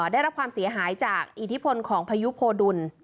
ได้รับความเสียหายจากอิทธิพลของพายุโพดุล